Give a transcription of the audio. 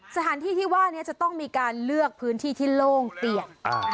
สถานที่ที่ว่านี้จะต้องมีการเลือกพื้นที่ที่โล่งเปียก